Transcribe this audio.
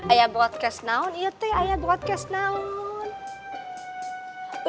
ayo broadcast sekarang ya teh ayo broadcast sekarang